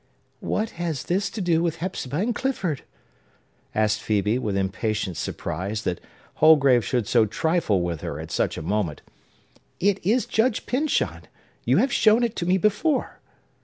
"What has this to do with Hepzibah and Clifford?" asked Phœbe, with impatient surprise that Holgrave should so trifle with her at such a moment. "It is Judge Pyncheon! You have shown it to me before!"